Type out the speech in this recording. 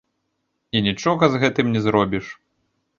І нічога з гэтым не зробіш.